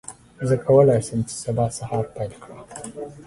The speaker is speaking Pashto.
زه کولی شم چې سبا سهار پیل کړم.